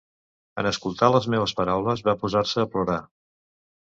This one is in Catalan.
En escoltar les meues paraules, va posar-se a plorar.